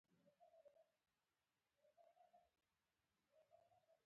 همدا ملت، اولسونه او خلک وو.